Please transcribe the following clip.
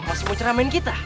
masih mau ceramain kita